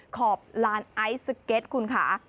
ขอบลานไอซ์สเก็ตคุณค่ะ